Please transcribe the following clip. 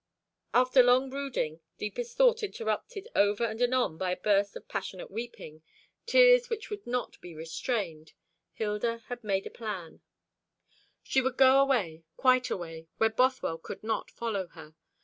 After long brooding, deepest thought interrupted ever and anon by a burst of passionate weeping, tears which would not be restrained, Hilda had made her plan. She would go away, quite away, where Bothwell could not follow her.